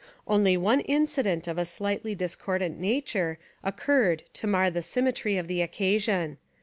Only one incident of a slightly discordant nature occurred to mar the symmetry of the occasion.